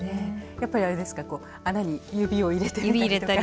やっぱりあれですか穴に指を入れてみたり。